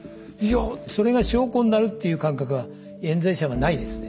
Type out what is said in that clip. それが証拠になるっていう感覚はえん罪者はないですね。